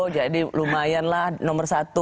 jadi lumayan lah nomor satu